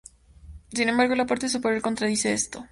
Sin embargo, la parte superior contradice esto.